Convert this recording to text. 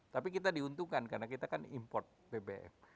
tapi kita diuntungkan karena kita kan import bbm